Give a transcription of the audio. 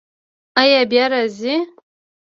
ایا بیا راځئ؟